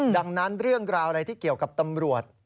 ดังนั้นเรื่องราวอะไรที่เกี่ยวกับตำรวจ